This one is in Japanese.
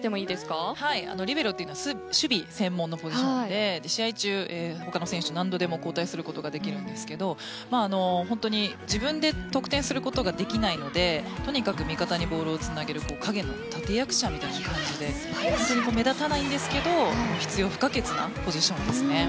リベロというのは守備専門のポジションで試合中、他の選手と何度でも交代することができるんですが自分で得点することができないのでとにかく味方にボールをつなげる陰の立役者みたいな感じで目立たないんですが必要不可欠なポジションです。